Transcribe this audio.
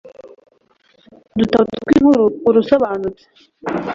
udutabo tw'inkuru kura usobanutse